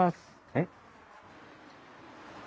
えっ？